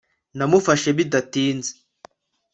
namufashe bidatinze